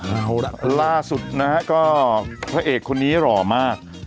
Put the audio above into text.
เอาล่ะล่าสุดนะฮะก็พระเอกคนนี้หล่อมาก